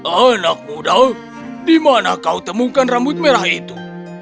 anak muda di mana kau temukan rambut merah itu